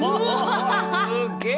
すげえ。